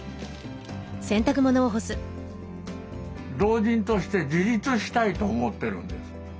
老人として自立したいと思ってるんです。